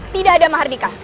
tidak ada mardika